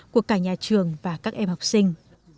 của cả nhà trường và các em học sinh